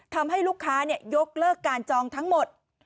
ทำให้ลูกค้ายกเลิกการจองทั้งหมด